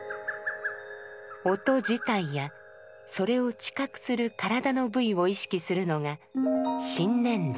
音自体やそれを知覚する体の部位を意識するのが「身念処」。